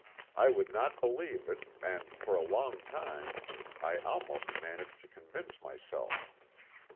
I would not believe it, and for a long time I almost managed to convince myself.